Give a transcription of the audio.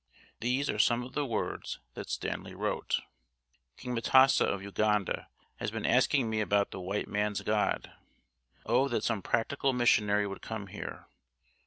These are some of the words that Stanley wrote: "King M'tesa of Uganda has been asking me about the white man's God.... Oh that some practical missionary would come here.